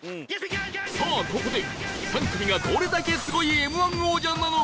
さあここで３組がどれだけすごい Ｍ−１ 王者なのか